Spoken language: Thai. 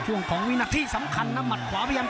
ช่วงของวินาที่สำคัญนะมัตต์ขวาเบียม